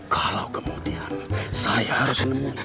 kalau kemudian saya harus nemu